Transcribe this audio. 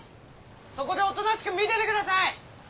そこでおとなしく見ててください。